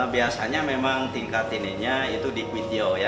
biasanya memang tingkat ini di kue tiaw ya